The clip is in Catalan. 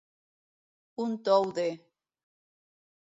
Un tou de.